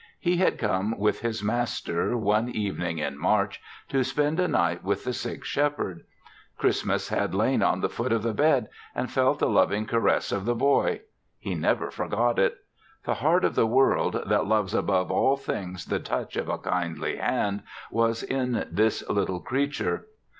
He had come with his master, one evening in March, to spend a night with the sick Shepherd. Christmas had lain on the foot of the bed and felt the loving caress of the boy. He never forgot it. The heart of the world, that loves above all things the touch of a kindly hand, was in this little creature.